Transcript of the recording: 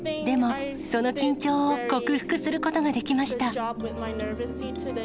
でも、その緊張を克服することができました。